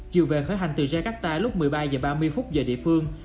chiều về khởi hành từ jakarta lúc một mươi ba giờ ba mươi phút giờ địa phương